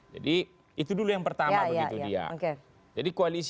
jadi itu dulu yang pertama begitu dia